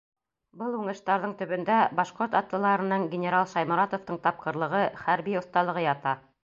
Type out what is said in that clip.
Был уңыштарҙың төбөндә башҡорт атлыларының, генерал Шайморатовтың тапҡырлығы, хәрби оҫталығы ята.